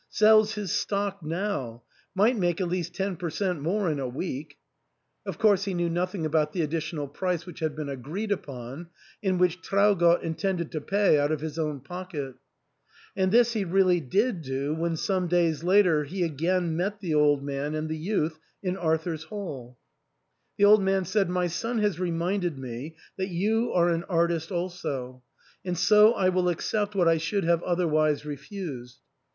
sells his stock now ; might make at least ten per cent, more in a week." Of course he knew nothing about the additional price which had been agreed upon, and which Traugott intended to pay out of his own pocket And this he really did do when some days later he again met the old man and the youth in Arthur's HalL The old man said, " My son has reminded me that you are an artist also, and so I will accept what I should have otherwise refused."